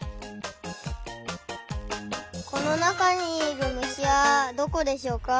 このなかにいるむしはどこでしょうか？